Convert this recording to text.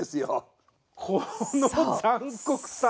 この残酷さ。